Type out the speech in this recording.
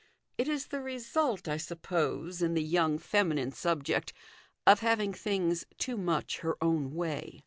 It is the result, I suppose, in the young feminine subject of having things too much her own way.